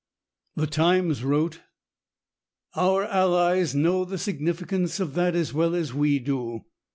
The Times wrote: "Our allies know the significance of that as well as we do.